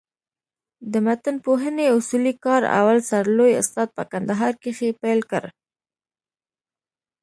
د متنپوهني اصولي کار اول سر لوى استاد په کندهار کښي پېل کړ.